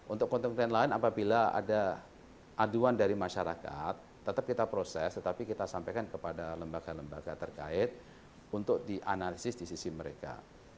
untuk konten konten lain apabila ada aduan dari masyarakat tetap kita proses tetapi kita sampaikan kepada lembaga lembaga terkait untuk dianalisis di sisi mereka